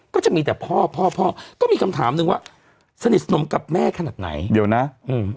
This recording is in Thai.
ก็จะมีแต่พ่อพ่อก็มีคำถามหนึ่งว่าสนิทสนมกับแม่ขนาดไหนเดี๋ยวนะอืม